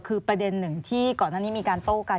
คือประเด็นหนึ่งที่ก่อนหน้านี้มีการโต้กัน